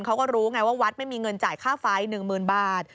เขาก็รู้ไงว่าวัดไม่มีเงินจ่ายค่าไฟ๑๐๐๐บาท